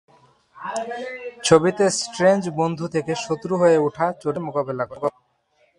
ছবিতে, স্ট্রেঞ্জ বন্ধু থেকে শত্রু হয়ে ওঠা চরিত্রের সাথে মোকাবেলা করে।